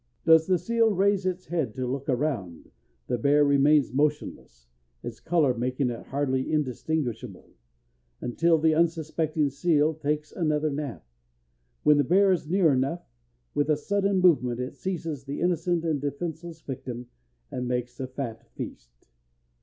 Does the seal raise its head to look around, the bear remains motionless, its color making it hardly distinguishable, until the unsuspecting seal takes another nap. When the bear is near enough, with a sudden movement it seizes the innocent and defenseless victim, and makes a fat feast.